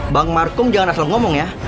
bang markum jangan asal ngomong ya